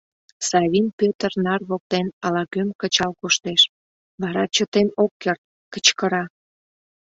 Савин Пӧтыр нар воктен ала-кӧм кычал коштеш, вара чытен ок керт — кычкыра: